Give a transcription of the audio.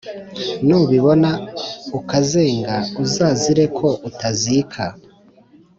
Nubibona ukazenga Uzazire ko utazika ?!